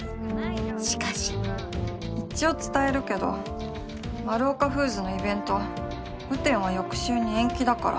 しかし一応伝えるけどマルオカフーズのイベント雨天は翌週に延期だから。